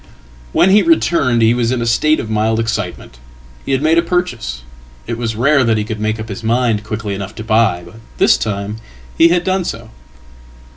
"When he returned he was in a state of mild excitement. He had made apurchase. It was rare that he could make up his mind quickly enough tobuy, but this time he had done so."